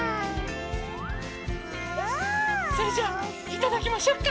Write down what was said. それじゃいただきましょうか。